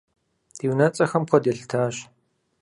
Ди унэцӀэхэм куэд елъытащ.